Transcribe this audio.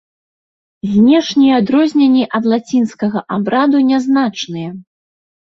Знешнія адрозненні ад лацінскага абраду нязначныя.